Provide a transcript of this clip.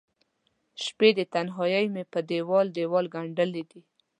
شپې د تنهائې مې په دیوال، دیوال ګنډلې دي